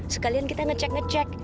sekalian kita ngecek ngecek